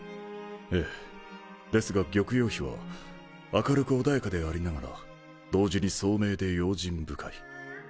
ええですが玉葉妃は明るく穏やかでありながら同時に聡明で用心深い。